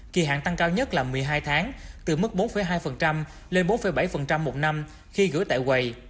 kỳ hàng tăng cao nhất là một mươi hai tháng từ mức bốn hai phần trăm lên bốn bảy phần trăm một năm khi gửi tại quầy